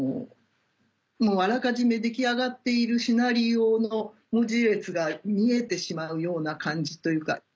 もうあらかじめ出来上がっているシナリオの文字列が見えてしまうような感じというか。